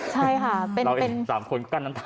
ใช่ค่ะ